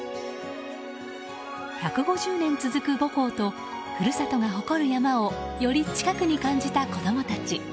１５０年続く母校と故郷が誇る山をより近くに感じた子供たち。